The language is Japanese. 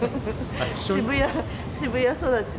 渋谷育ちで。